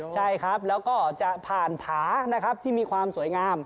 ใช่ครับแล้วก็จะผ่านผานะครับที่มีความสวยงาม